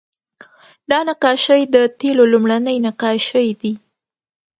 دا نقاشۍ د تیلو لومړنۍ نقاشۍ دي